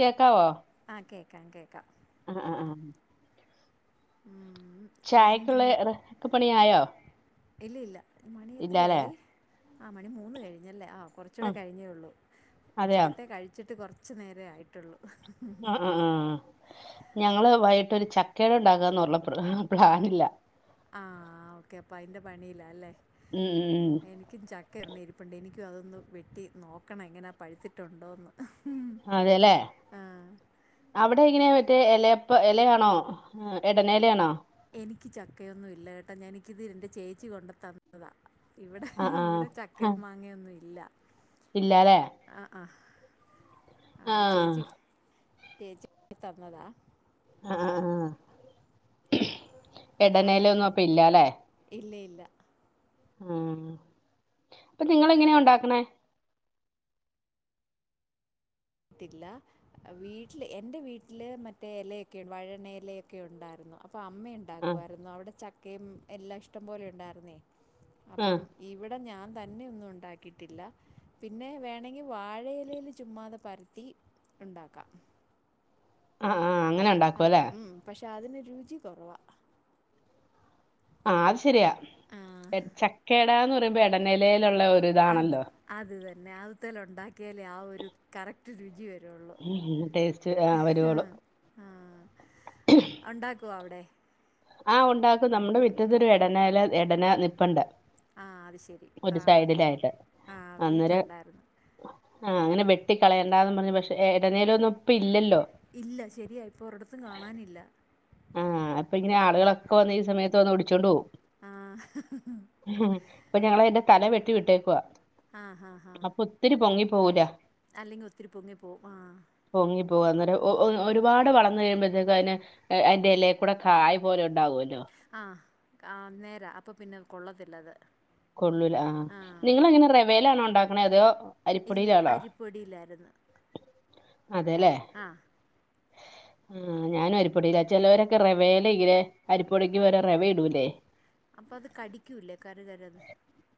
കേക്കാവോ? ആഹ് കേക്കാം കേക്കാ. ആഹ് ആ ആ ഉം ഉം ഇരുണ്ട് ചായക്കുള്ള മൂ റെസിപ്പി പണിയായോ ഇല്ല ഇല്ല മണി ഇല്ലാലേ എത്രയായി? ആഹ് മണി മൂന്ന് കഴിഞ്ഞല്ലേ ആഹ് കൊറച്ചൂടെ കഴിഞ്ഞേള്ളൂ അതെയോ ഉച്ചക്കത്തെ കഴിച്ചിട്ട് കൊറ ച്ച് നേരേ ആയിട്ടോള്ളു. ആഹ് ആ ആഹ് ഞങ്ങള് വൈട്ടോരു ചക്കട ണ്ടാക്കാന്നുള്ള പ്ലാ പ്ലാനില. ആഹ് ഓക്കെ അപ്പൊ അയ്ന്റെ പണിയിലാലേ. ഉം ഉം ഉം. എനിക്കും ചക്ക രണ്ണം ഇരിപ്പുണ്ട് എനിക്കും അതൊന്ന് വെട്ടി നോക്കണം എങ്ങനാ പഴുത്തിട്ടുണ്ടോന്ന്. അതെല്ലേ. അവടെ എങ്ങനെ മറ്റേ എലയപ്പ എലയാണോ എടനലയാണോ? എനിക്ക് ചക്കയൊന്നു ഇല്ല കേട്ടാ ഞനിക്കിത് എന്റെ ചേച്ചി കൊണ്ട് തന്നതാ. ഇവടെ ആഹ് ആഹ് ഇവടെ ചക്കയേം മാങ്ങ്യന്നുല്ല. അതെ. ആ ആ അപ്പൊ ആഹ് ചേച്ചി ചേച്ചി തന്നതാ. ആഹ് ആ ആഹ്. ഞാനത് എടനേലയൊന്നും അപ്പൊ ഇല്ലാലേ ഇല്ല ഇല്ല. ആ അപ്പൊ നിങ്ങളെങ്ങനെയാ ഉണ്ടാക്കണേ? ത്തില്ലാ വീട്ടില് എന്റെ വീട്ടില് മറ്റേ യലയൊക്കെ വഴനയലയൊക്കെ ഉണ്ടാർന്നു അപ്പൊ അമ്മേ ആഹ് ണ്ടാക്കുവാരുന്നു അവടെ ചക്കയും എല്ലാം ഇഷ്ടം പോലെ ഉണ്ടാർന്നേയ് ആഹ് അപ്പം ഇവിടെ ഞാൻ തന്നെയൊന്നും ഉണ്ടാക്കിട്ടില്ല, പിന്നെ വേണങ്കി വാഴയിലയിൽ ചുമ്മാത പരത്തി ഉണ്ടാക്കാ. ആ ആ അങ്ങനണ്ട അതെ ഉം പക്ഷെ അതിന് രുചി കൊറവാ. ആ അത് ശരിയാ, ആ, ചക്കേടാന്ന് പറയുമ്പോ എടനെലേലുള്ള ഒരു അത് ഇതാണല്ലോ. അത് തന്നെ അത്തല ഉണ്ടാക്കിയാലേ ആ ഒരു കറക്റ്റ് രുചി വരുള്ളു. ടേസ്റ്റ് വരുവോളു ആഹ് ഒണ്ടാക്കുവൊ അവടെ? ആഹ് ഉണ്ടാക്കും, നമ്മടെ മിറ്റത്തു ഒരു എടനല എടന നിപ്ണ്ട്. ആഹ് അത് ശരി, ആഹ് ആഹ് അന്നേരം വീട്ടിലുണ്ടാരുന്നു. ആഹ് അങ്ങനെ വെട്ടി കളയണ്ടന്ന് പറഞ്ഞു പക്ഷെ ഇടനേല ഒന്നും ഇപ്പ ഇല്ലല്ലോ. ഇല്ല ശരിയ ഇപ്പൊ ഒരിടത്തും കാണാനില്ല. ആഹ് അപ്പൊ ഇങ്ങനെ ആളുകളൊക്കെ വന്ന് ഈ സമയത്ത് വന്ന് ഒടിച്ചോണ്ട് പോവും. ആഹ് ഉം ഇപ്പൊ ഞങ്ങള് അതിന്റെ തല വെട്ടി വിട്ടേക്കുവാ. ആഹ് ഹാ ഹാ അപ്പൊ ഒത്തിരി പൊങ്ങിപ്പോവൂല. അല്ലെങ്കി ഒത്തിരി പൊങ്ങി പോകും ആഹ് പൊങ്ങി പോകും അന്നേരം ഒ ഒരുപാട് വളന്നു കഴിയുമ്പോഴത്തേക്ക് അതിന്. അയിന്റെ എലേ കൂടെ കായ് പോലെ ഉണ്ടാവുമല്ലോ. ആഹ് ആ നേരാ അപ്പൊ പിന്നെ കൊള്ളത്തില്ലത്. കൊള്ളൂല ആഹ് നിങ്ങളെങ്ങനെ റവേലാണോ ഉണ്ടാക്കണെ അതോ അരിപ്പൊടിയിലാണോ. ഇല്ലായിരുന്നു. അതെലേ ആഹ് ആഹ് ഞാനും അരിപ്പൊടിയില ചെലവരൊക്കെ റവേല്ങ്ങനെ അരിപ്പൊടിക്ക് പകരം റവ ഇടൂല്ലേ. അപ്പൊ അത് കടിക്കൂല്ലേ കര്കരന്ന്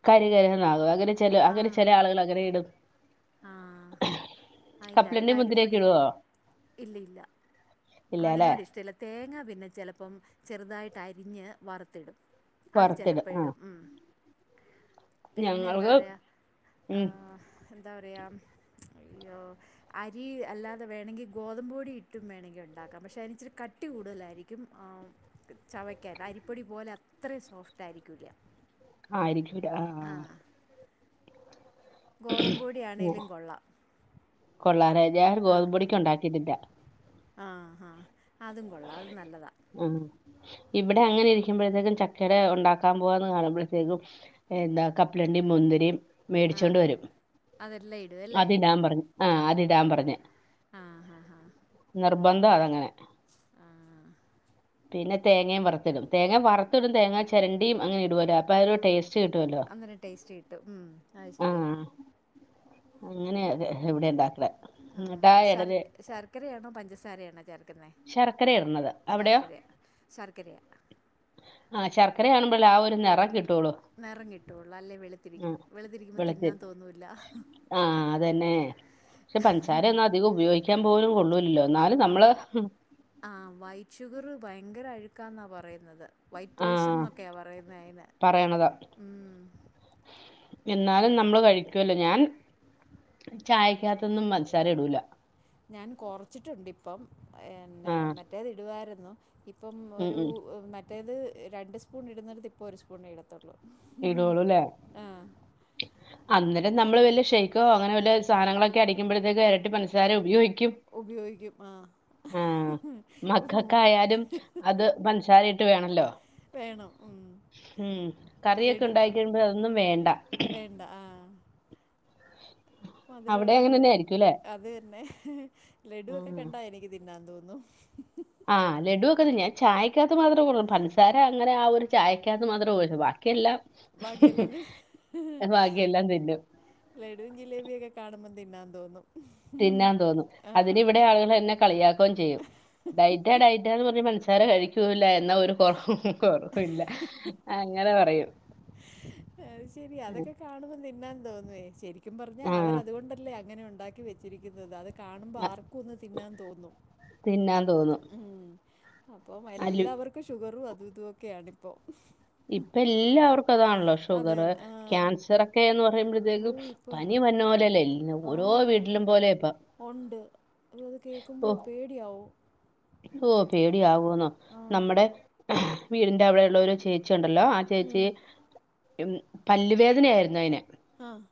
കരികരന്നാകും അങ്ങനെ ചെല അങ്ങനെ ആഹ് ചില ആളുകൾ അങ്ങനെ ഇടും. ആഹ് അത് ഇല്ല ഇത് കപ്പലണ്ടി മുന്തിരിയൊക്കെ അരിപ്പൊടി ഇടുവോ ഇല്ല ഇല്ല ഇല്ലാല്ലേ അതിനോട് ഇഷ്ടല്ല. തേങ്ങ പിന്നെ ചെലപ്പം ചെറുതായിട്ട് അരിഞ്ഞ് വറുത്തിടും. അത് വറുത്തിടും ചിലപ്പോ ആ ഇടും ഉം. പിന്നെ എന്താ ഞങ്ങൾക്ക് പറയ ഉം ആഹ് എന്താ പറയ അയ്യോ അരി അല്ലാതെ വേണങ്കിൽ ഗോതമ്പ് പൊടി ഇട്ടും വേണങ്കിൽ ഉണ്ടാക്കാം പക്ഷെ അതിനിച്ചിരി കട്ടി കൂടുതലായിരിക്കും ആഹ് ചവയ്ക്കാൻ അരിപ്പൊടി പോലെ അത്രയും സോഫ്റ്റ് ആയിരിക്കൂല്ല. ആയിരിക്കൂല്ല ആഹ് ആഹ് ഗോതമ്പ് പൊടി ആണെലും കൊള്ളാം കൊള്ളാലെ ഞാൻ ആഹ് ഗോതമ്പൊടിക്ക് ഉണ്ടാക്കിയിട്ടില്ല ആഹ് ആഹ് അതും കൊള്ളാം അതും നല്ലതാ ആഹ് ഇവിടെ അങ്ങനെ ഇരിക്കുമ്പഴത്തേക്കും ചക്കട ഉണ്ടാക്കാൻ പോവാന്ന് കാണുമ്പളത്തേക്കും എന്താ കപ്പലണ്ടിയും മുന്തിരിയും ആ മേടിച്ചോണ്ട് വരും അതെല്ലാം ഇടും അല്ലേ അതിടാൻ പറഞ് ആഹ് അതിടാൻ പറഞ് ആ ഹാ നിർബന്ധ അതങ്ങനെ ആഹ് പിന്നെ തേങ്ങയും വറത്തിടും തേങ്ങ വറുത്തിടും തേങ്ങാ ചരണ്ടിയും അങ്ങനെ ഇടുവല്ലോ അപ്പ ആ ഒരു ടേസ്റ്റ് കിട്ടുമല്ലോ അങ്ങനെ ടേസ്റ്റ് കിട്ടുംഉം അത് ശരിയാ അങ്ങനെയെ ഇവിടെ ഉണ്ടാക്കണെ എന്നിട്ടാ ഇടല് ചക്കരയാണോ പഞ്ചസാരയാണോ ചേർക്കുന്നെ ശർക്കരയാ ഇടുന്നത് അവിടെയോ? ശർക്കരയാ ആഹ് ശർക്കര കാണുമ്പഴേ ആ ഒരു നിറം കിട്ടുവുള്ളൂ നിറം കിട്ടുവുള്ളൂ അല്ലേ വെളുത്തിരിക്കും വെളുത്തിരിക്കുമ്പോ തിന്നാൻ തോന്നൂല്ല ആഹ് അതന്നെ പക്ഷെ പഞ്ചസാര ഒന്നും അധികം ഉപയോഗിക്കാൻ പോലും കൊള്ളൂലല്ലോ എന്നാലും നമ്മള് ആഹ് വൈറ്റ് ഷുഗറ് ഭയങ്കര അഴുക്കാന്നാ പറയുന്നത് വൈറ്റ് ആ പോയ്സൺ എന്നൊക്കെയാണ് പറയുന്നത് അയ്നെ പറയണതാ ഉം എന്നാലും അത് നമ്മള് കഴിക്കോല്ലോ ഞാൻ ചായക്കകത്തൊന്നും പഞ്ചസാര ഇടൂല ഞാൻ കൊറച്ചിട്ടുണ്ട് ഇപ്പം എന്നെ ആ മറ്റേത് ഇടുവായിരുന്നു ഇപ്പം ഉം ഒരു ഉം മറ്റേത് രണ്ട് സ്പൂൺ ഇടുന്നിടത്ത് ഇപ്പോ ഒരു സ്പൂൺ ഇടം ത്തൊള്ളൂ ഇടുള്ളൂ ല്ലേ ആഹ് അന്നേരം നമ്മള് വല്യെ ഷെയ്ക്കോ അങ്ങനെ വല്യെ സാനങ്ങളൊക്കെ അടിക്കുമ്പഴത്തേക്ക് ഇരട്ടി പഞ്ചസാര ഉപയോഗി ഉപയോഗിക്കും ആഹ് ഒരൂസം നോക്കും മക്കൾക്കായാലും അത് പഞ്ചസാര ഇട്ട് വേണല്ലോ വേണം ഉം ഉം കറിയൊക്കെ ലഡു ഉണ്ടാക്കിയോക്കുമ്പോ അതൊന്നും വേണ്ട വേണ്ട ആഹ് മധുരം അവിടെ ഉള്ളത് അങ്ങനെ തന്നെ മതി ആയിരിക്കും ല്ലേ അത് തന്നെ ലഡു ഒക്കെ ആഹ് കണ്ട എനിക്ക് തിന്നാൻ തോന്നും ആഹ് ലഡുവൊക്ക ഞാൻ ചായക്കകത്ത് മാത്രം കൂടു പഞ്സാര അങ്ങനെ ആ ഒരു ചായക്കകത്ത് മാത്രേ ഒര് ബാക്കിയെല്ലാം ബാക്കിയെല്ലാം തന്നെ ബാക്കിയെല്ലാം തിന്നു ലഡും ജിലേബിയൊക്കെ കാണുമ്പോ തിന്നാൻ തോന്നും തിന്നാൻ തോന്നും ആ അതിനിവിടെ ആളുകൾ എന്നെ കളിയാക്കോം ചെയ്യും ഡൈറ്റാ ഡയറ്റാ എന്ന് പറഞ്ഞ് പഞ്ചസാര കഴിക്കൂല്ല എന്നാ ഒ റ കൊറക്കും ഇല്ല അങ്ങനെ പറയും അത് ശെരി അതൊക്കെ കാണുമ്പോ നിന്നാൻ തോന്നോയ് ശരിക്കും പറഞ്ഞാ ആഹ് അവരതുകൊണ്ടല്ലേ അങ്ങനെ ഉണ്ടാക്കി വെച്ചിരിക്കുന്നത് അത് കാണുമ്പ ആർക്കും ഒന്ന് തിന്നാൻ തോന്നും തിന്നാൻ തോന്നും ഉം അപ്പം അലു എല്ലാവർക്കും ഷുഗറും അതും ഇതുംക്കെയണിപ്പോ ഇപ്പ എല്ലാവർക്കും അതാണല്ലോ അത് ഷുഗർ തന്നെ ആ ക്യാൻസറൊക്കെയെന്ന് ഓ പറയുമ്പോഴത്തേക്കും ഇപ്പോൾ പനി വര്ണ പോലെയല്ല എല്ല- ഓരോ വീട്ടിലും പോലെ ഇപ്പ ഒണ്ട് അപ്പ അത് കേൾക്കുമ്പോ ഓ പേടിയാവും ഓ പേടി ആവോന്നോ ആഹ് നമ്മടെ വീടിന്റെ അവിടെയുള്ളൊരു ചേച്ചി ഉണ്ടല്ലോ ആ ചേ ഉം ചേച്ചി പല്ല് വേദനയായിരുന്നു അയിന് ആഹ്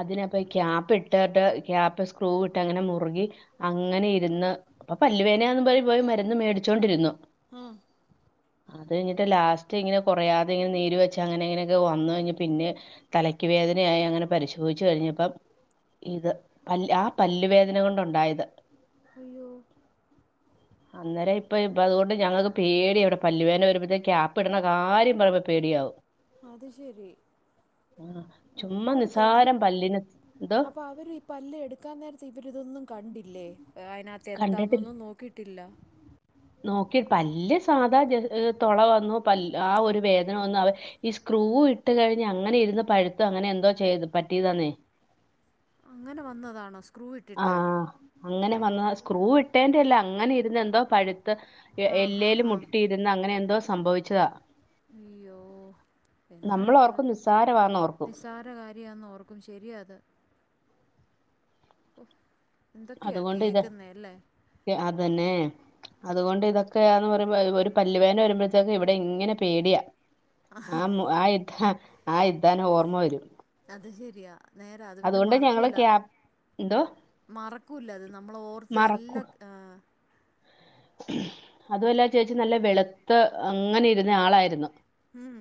അതിനപ്പം ഈ ക്യാപ്പ് ഇട്ടിട്ട് ക്യാപ്പ് സ്ക്രൂ ഇട്ട് അങ്ങനെ മുറുകി അങ്ങനെ ഇരുന്ന് അപ്പൊ പല്ലുവേനയാന്ന് പറ പോയി പോയി മരുന്ന് മേടിച്ചോണ്ടിരുന്നു ആഹ് അത് കഴിഞ്ഞിട്ട് ലാസ്റ്റ് ഇങ്ങനെ കുറയാതെ ഇങ്ങനെ നീര് വെച്ച് അങ്ങനെ ഇങ്ങനെയൊക്കെ വന്ന് കഴിഞ്ഞ് പിന്നെ തലയ്ക്ക് വേദനയായി അങ്ങനെ പരിശോധിച്ചു കഴിഞ്ഞപ്പം ഇത് പല് ആ പല്ലുവേദനകൊണ്ടുണ്ടായത്. ഉയോ അന്നേം ഇപ്പൊ ഇപ്പ അതുകൊണ്ട് ഞങ്ങൾക്ക് പേടിയാ ഇവിടെ പല്ലുവേന വരുമ്പോഴത്തേ ക്യാപ്പ് ഇടണ കാര്യം പറയുമ്പോ പേടിയാവും. അത് ശരി ആഹ് എന്നാ ചുമ്മ എടുക്കാം നിസ്സാരം പല്ലിന് എന്തോ. അപ്പൊ അവര് ഈ പല്ല് എടുക്കാൻ നേരത്തെ ഇവരിതൊന്നും കണ്ടില്ലേ അതിനകത്ത് കണ്ടിട്ടില്ല എന്താന്നൊന്നും നോക്കിയിട്ടില്ല. നോക്കി പല്ല് സാധാ തുള വന്നു പൽ ആ ഒരു വേദന വന്നു അത് ഈ സ്ക്രൂ ഇട്ട് കഴിഞ്ഞ് അങ്ങനെ ഇരുന്ന് പഴ്ത്ത് അങ്ങനെ എന്തോ ചെയ്തു പറ്റിയതാന്നേ. അങ്ങനെ വന്നതാണോ സ് ആഹ് അങ്ങനെ വന്നഹ് സ്ക്രൂ ഇട്ടേന്റെ അല്ല അങ്ങനെ ഇര്ന്ന് എന്തോ പഴ്ത്ത്. എ ആഹ് ഹാ എല്ലേല് ഹാ മുട്ടിയിരുന്ന് അങ്ങനെ എന്തോ സംഭവിച്ചതാ. അയ്യോ എന്നാ നമ്മൾ എടുക്കാ ഓർക്കും നിസ്സാരമാന്ന് ഓർക്കും നിസാരകാര് രിയാന്ന് ഓർക്കും ശരിയാ അത് ഓ എന്തൊക്കെയാ അതുകൊണ്ട് ഇത് കേക്കുന്ന അല്ലേ അതന്നെ അതുകൊണ്ട് ഇതൊക്കെയാന്ന് പറയുമ്പോ ഒരു പല്ലു വേദന വരുമ്പോഴത്തേക്ക് ഇവിടെ ഇങ്ങനെ പേടിയാ ആ ഇത്ത ആ ഇത്താനെ ഓർമ്മ വരും അത് ശെരിയാ നേരാ അത് പിന്നെ അതുകൊണ്ട് ഞങ്ങള് മറക്കൂല. ക്യാ എന്തോ മറക്കൂല്ല അത് നമ്മൾ ഓർത്ത് എല്ലാ ആഹ് അതുവല്ലാ ആ ചേച്ചി നല്ല വെളുത്ത് അങ്ങനെ ഇരുന്ന ആളായിരുന്നു ഉം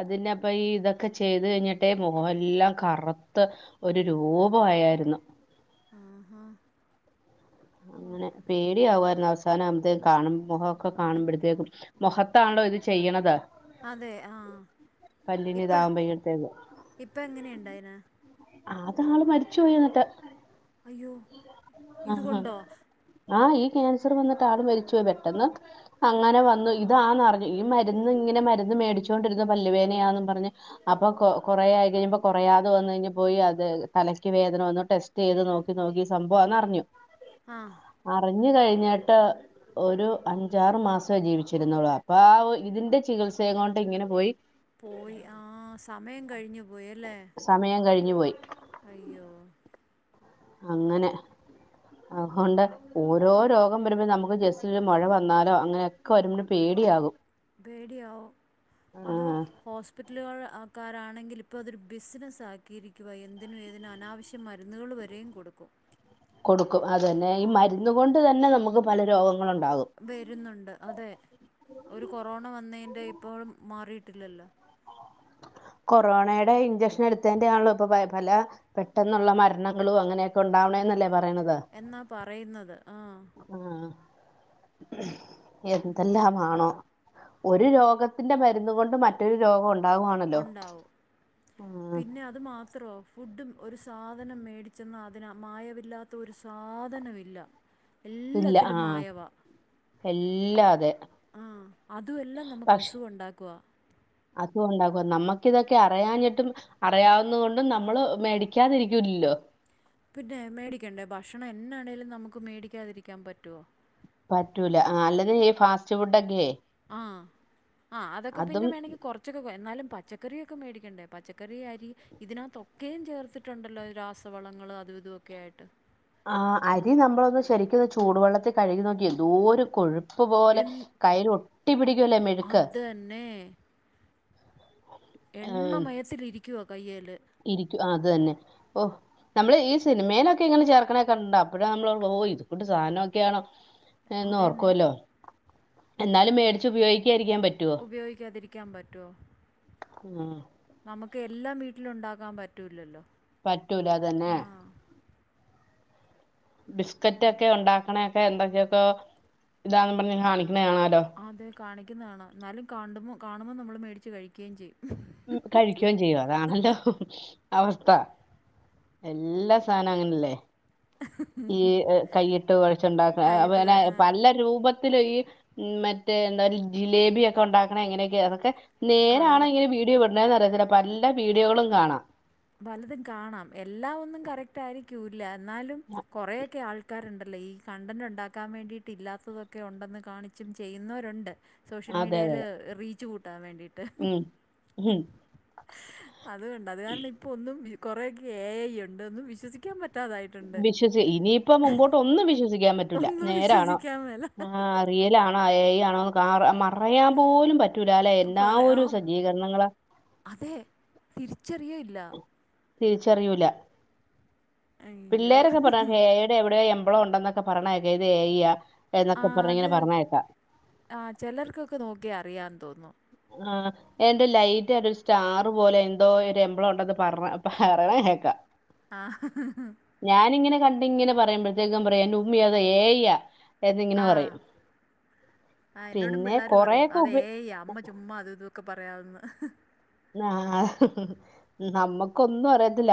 അതിന്നപ്പൊ ഈ ഇതൊക്കെ ചെയ്ത് കഴിഞ്ഞിട്ടേ മുഖവെല്ലാം കറുത്ത് ഒരു രൂപം ആയായിരുന്ന് ആ ഹാ അങ്ങനെ പേടിയാകുവായിരുന്നു അവസാനം ആഇത്തെ കാണും മുഖ ഒക്കെ കാണുമ്പോഴത്തേക്കും മുഖത്താണോ ഇത് ചെയ്യണത് അതെ ആഹ് പല്ലിന് ഇപ്പ ഇതാകുമ്പോഴത്തേക്ക് ഇപ്പ എങ്ങനെയുണ്ടയിന് അത് ആള് മരിച്ചു പോയിന്നിട്ട് അയ്യോ ആഹ് ആഹ് ഇതുകൊണ്ടോ ആഹ് ഈ ക്യാൻസർ വന്നിട്ട് ആള് മരിച്ചു പോയി പെട്ടെന്ന് അങ്ങനെ വന്നു ഇതാന്ന്റിഞ്ഞു ഈ മരുന്ന് ഇങ്ങനെ മരുന്ന് മേടിച്ചുകൊണ്ടിരുന്നു പല്ലുവേനയാന്നും പറഞ്ഞ് അപ്പൊ കൊ കൊറേ ആയി കഴിയുമ്പൊ കൊറയാതെ വന്ന് കഴിഞ്ഞ പോയി അത് തലയ്ക്ക് വേദന വന്നു ടെസ്റ്റ് ചെയ്ത് നോക്കി നോക്കി സംഭവാന്ന് അറിഞ്ഞു ആഹ് അറിഞ്ഞു കഴിഞ്ഞിട്ട് ഒരു അഞ്ചാറ് മാസമേ ജീവിച്ചിരുന്നുള്ളു അപ്പൊ ആ ഇതിന്റെ ചികിത്സയെ കൊണ്ട് ഇങ്ങനെ പോയി പോയി ആ സമയം കഴിഞ്ഞു പോയി അല്ലേ സമയം കഴിഞ്ഞു പോയി അയ്യോ അങ്ങനെ ആഹൊണ്ട് ഓരോ രോഗം വരുമ്പോ നമുക്ക് ജസ്റ്റ് ഒരു മഴ വന്നാലോ അങ്ങനെയൊക്കെ വരുമ്പോ ഒരു പേടിയാകും പേടിയാവും അതോ ആഹ് ഹോസ്പിറ്റലുകൾ ആക്കാരാണെങ്കിൽ ഇപ്പ അതൊരു ബിസിനസ്സ് ആക്കിയിരിക്കുവാ എന്തിനും ഏതിനും അനാവശ്യമായി മരുന്ന് മരുന്നുകൾ വരെയും കൊടുക്കും കൊടുക്കും അതു തന്നെ ഈ മരുന്നു കൊണ്ട് തന്നെ നമുക്ക് പല രോഗങ്ങളുണ്ടാകും വരുന്നുണ്ട് അതെ ഒരു കൊറോണ വന്നതിൻ്റെ ഇപ്പോഴും മാറിയിട്ടില്ലല്ലോ കൊറോണയുടെ ഇഞ്ചക്ഷൻ എടുത്തേന്റെ ആണല്ലോ ഇപ്പ പ പല പെട്ടെന്നുള്ള മരണങ്ങളും അങ്ങനെയൊക്കെ ഉണ്ടാവണെ എന്നല്ലേ പറയുന്നത് എന്നാ പറയുന്നത് ആഹ് ആഹ് എന്തെല്ലാമാണോ ഒരു രോഗത്തിന്റ മരുന്ന് കൊണ്ട് മറ്റൊരു രോഗമുണ്ടാകുവാണല്ലോ ണ്ടാവും പിന്നെ അത് മാത്രോ ഫുഡും ഒരു സാധനം മേടിച്ചെന്നാ അതിന് മായവില്ലാത്ത ഒരു സാധനവില്ല ഇല്ല എല്ലാത്തിലും ആഹ് മായവാ എല്ലാ അതെ ആഹ് അതു എല്ലാം പക്ഷെ നമുക്കസുഖവുണ്ടാക്കുവാ അതും ഉണ്ടാകും നമ്മക്കിതക്കെ അറിയാഞ്ഞിട്ടും അറിയാവുന്നതുകൊണ്ടും നമ്മള് മേടിക്കാതിരിക്കൂല്ലല്ലോ പിന്നേ മേടിക്കണ്ടേ ഭക്ഷണം എന്നാണേലും നമുക്ക് മേടിക്കാതിരിക്കാൻ പറ്റോ പറ്റൂല ആ അല്ലാതെ ഈ ഫാസ്റ്റ് ഫുഡക്കേ ആഹ് ആഹ് അതക്ക പിന്ന വേണെങ്കിക്കൊറ ഉച്ചക്ക് എന്നാലും പച്ചക്കറിയൊക്ക മേടിക്കണ്ടേ പച്ചക്കറിയരി ഇതിനകത്തൊക്കേയും ചേർത്തിട്ടുണ്ടല്ലോ രാസവളങ്ങള് അതു വിതുവൊക്കെയായിട്ട്. ആഹ് അരി നമ്മളൊന്ന് ശെരിക്കൊന്ന് ചൂടുവെള്ളത്തിൽ കഴുകി നോക്കിയേ എന്തോരംകൊഴു ഉപ്പ് പോലെ എൻ കൈയിലൊട്ടി പിടിക്കൂലേ മെഴുക്ക്. എണ്ണമയത്തിലിരിക്കുവ കയ്യേല്. ഇരിക്കു ആഹ് അത് തന്നെ ഓഹ് നമ്മള് ഈ സിനിമേലൊക്കെ ഇങ്ങന ചേർക്കണേക്കണ്ടപ്പഴേ നമ്മള് [unintelligible] ഇത് ക്കൂട്ട് സാധനോക്കെയാണോ. അതന്നെ എന്നോർക്കൊല്ലോ എന്നാലും മേടച്ച് ഉപയോഗിക്ക്യാരിക്കാൻ പറ്റുവോ. ഉപയോഗിക്കാതിരിക്കാൻ അഹ് നമുക്കെല്ലാം വീട്ടിലുണ്ടാക്കാൻ പറ്റൂലല്ലോ. പറ്റൂല അതന്നെ ആഹ് ബിസ്ക്കറ്റക്കെ ഒണ്ടാക്കണയെക്കെ എന്തൊക്കെയൊക്ക ഇതാണെന്ന് പറഞ്ഞ് കാണിക്കണേ കാണല്ലോ. ആഹ് അതെ കാണിക്കുന്നാണ് എന്നാലും കാണ്ടുമോ കാണുമ്പോ നമ്മള് മേടിച്ച് കഴിക്കേയും ചെയ്യും. ഉം കഴിക്കോം ചെയ്യും അതാണല്ലോ അവസ്ഥ. എല്ലാ സാനം അങ്ങനല്ലേ. ഈ കൈയിട്ട് കൊഴചുണ്ടാക്കാ കൈയിട്ട് ക പിന്നെ ആഹ് പല രൂപ ത്തില് ഈ മറ്റേ എന്താ ജിലേബിയൊക്കൊണ്ടാക്കണ എങ്ങനെയൊക്കയാ അതൊക്കെ കളർ നേരാണോ ഇങ്ങന വീഡിയോ വിടണേന്നറിയത്തില്ല പല്ല വീഡിയോകളും കാണാം. ബലതും കാണാം എല്ലാ ഒന്നും കറക് റ്റാരിക്യൂരില്ലെന്നാലും കുറെയെക്കെ ആൾക്കാരെണ്ടല്ലോ ഈ കണ്ടന്റൊണ്ടാക്കാൻ വേണ്ടിട്ട് ഇല്ലാത്തതൊക്കെ ഉണ്ടെന്ന് കാണിച്ചും ചെയ്യുന്നവരുണ്ട്. സോഷ്യൽ അതെ അതെ മീഡിയാല് അതെ റീച്ച് കൂട്ടാൻ വേണ്ടിട്ട് ഉം ഉം അതുകൊണ്ട് അത് കാരണം ഇപ്പോ ഒന്നും വി കുറെയൊക്കെ എ ഐ യൊണ്ട് ഒന്നും വിശ്വസിക്ക് ക്ക്യാൻ പറ്റാതായി. വിശ്വസി ഇനിയിപ്പ മുമ്പോട്ടൊന്നും വിശ്വസിക്കാൻ പറ്റൂല്ല ഒന്നും നേരാണോ വിശ്വസിക്കാൻ മേല ആഹ് റിയാലാണോ ഏയ് ആണോ കാര മറയാൻ പോലും പറ്റൂലാല്ലെ എല്ലാ ഒരു സജ്ജീകരണങ്ങളാ. അതേ തിരിച്ചറിയേയില്ല. തിരിച്ചറിയൂല്ല അയ്യോ പിള്ളേരൊക്കെ പറയണ് ഏയാൺ. എവിടെയോ യെമ്പളൊണ്ടന്നക്ക പറണേക്കാം ഇത് എഇ യാ ആഹ് അത് ആഹ് ചെലർക്കൊക്ക നോക്കിയാ അറിയാന്ന് തോന്ന്ന്നു. ആഹ് എന്റെ ലൈറ്റായിട്ടൊരു സ്റ്റാറ് പോലെ എന്തോ ഒരു എമ്പളോണ്ടെന്ന് പർണ പറയണ കേക്കാ ആഹ് ഞാനിങ്ങനെ കണ്ടിങ്ങനെ പറയുമ്പോഴത്തേക്കും പറയും എന്റുമ്മീയത് എയീയാ എന്നിങ്ങന ആ പറയും ആ പിന്നെ കൊറേയൊക്കുപ ഉമ്മാ അതുവിതൊക്ക പറയാതെന്ന്. നാ നമ്മക്കൊന്നും അറിയത്തില്ല.